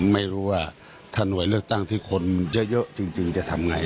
ไม่รู้ว่าถ้าหน่วยเลือกตั้งที่คนเยอะจริงจะทำไง